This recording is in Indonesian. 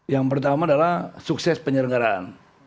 yang pertama adalah sukses penyelenggaraan